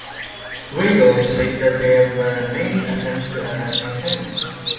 Weigel also says that there were many attempts to assassinate him.